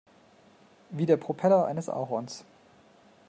Wie der Propeller eines Ahorns.